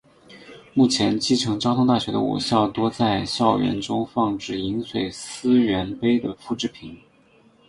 目前继承交通大学的五校多在校园中放置饮水思源碑的复制品。